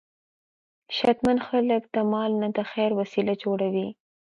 شتمن خلک د مال نه د خیر وسیله جوړوي.